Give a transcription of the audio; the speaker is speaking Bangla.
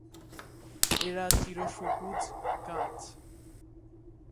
এরা চিরসবুজ গাছ।